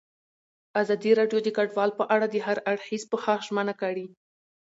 ازادي راډیو د کډوال په اړه د هر اړخیز پوښښ ژمنه کړې.